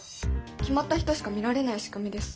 決まった人しか見られない仕組みです。